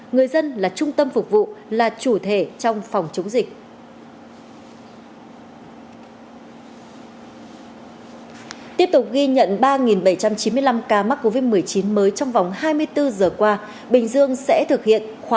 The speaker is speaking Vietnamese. người dân là trung tâm phục vụ là chủ thể trong phòng chống dịch